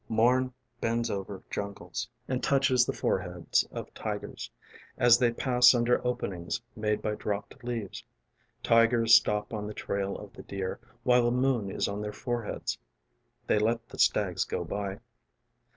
┬Ā┬ĀMom bends over jungles ┬Ā┬Āand touches the foreheads of tigers ┬Ā┬Āas they pass under openings made by dropped leaves. ┬Ā┬ĀTigers stop on the trail of the deer ┬Ā┬Āwhile the moon is on their foreheadsŌĆö ┬Ā┬Āthey let the stags go by.